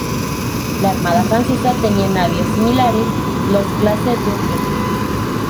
La armada francesa tenía navíos similares, los Clase Dunkerque.